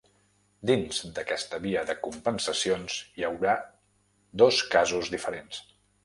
Dins d’aquesta via de compensacions hi haurà dos casos diferents.